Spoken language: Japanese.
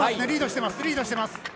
リードしてます、リードしてます。